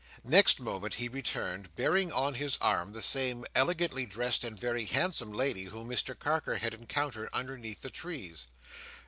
Next moment he returned, bearing on his arm the same elegantly dressed and very handsome lady whom Mr Carker had encountered underneath the trees.